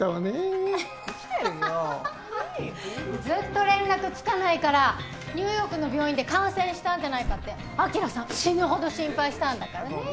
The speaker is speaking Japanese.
ずっと連絡つかないからニューヨークの病院で感染したんじゃないかって晶さん死ぬほど心配したんだからね。